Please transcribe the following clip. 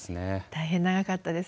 大変長かったです。